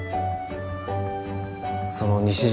その西島